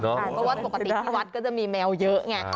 เพราะว่าปกติที่วัดก็จะมีแมวเยอะไง